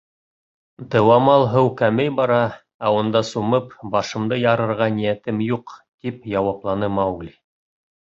Дыуамал һыу кәмей бара, ә унда сумып, башымды ярырға ниәтем юҡ, — тип яуапланы Маугли.